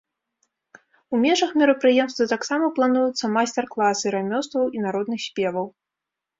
У межах мерапрыемства таксама плануюцца майстар-класы рамёстваў і народных спеваў.